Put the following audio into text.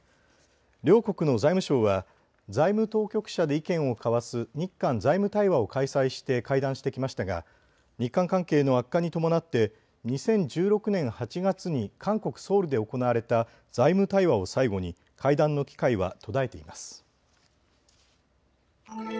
両国の財務相は財務当局者で意見を交わす日韓財務対話を開催して会談してきましたが日韓関係の悪化に伴って２０１６年８月に韓国・ソウルで行われた財務対話を最後に会談の機会は途絶えています。